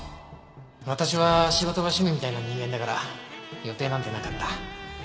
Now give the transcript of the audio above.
私は仕事が趣味みたいな人間だから予定なんてなかった。